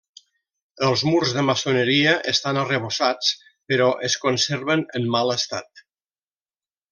Els murs de maçoneria estan arrebossats però es conserven en mal estat.